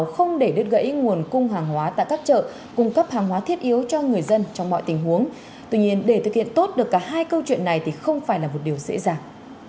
không để đứt gãy nguồn cung hàng hóa tại các chợ cung cấp hàng hóa thiết yếu cho người dân trong mọi tình huống tuy nhiên để thực hiện tốt được cả hai câu chuyện này thì không phải là một điều dễ dàng